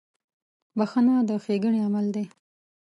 • بخښنه د ښېګڼې عمل دی.